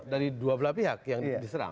dari dua belah pihak yang diserang